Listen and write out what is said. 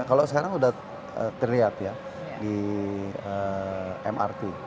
kalau sekarang sudah terlihat ya di mrt